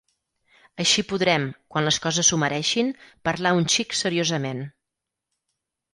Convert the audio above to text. Així podrem, quan les coses s'ho mereixin, parlar un xic seriosament.